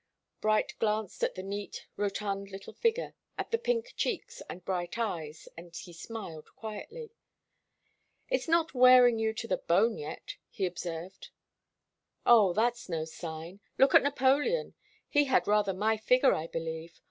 Bright glanced at the neat, rotund little figure, at the pink cheeks and bright eyes, and he smiled quietly. "It's not wearing you to the bone yet," he observed. "Oh that's no sign! Look at Napoleon. He had rather my figure, I believe.